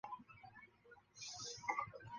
藏历土蛇年。